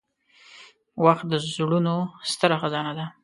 • وخت د زړونو ستره خزانه ده.